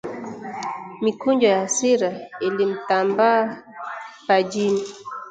Mikunjo ya hasira ilimtambaa pajini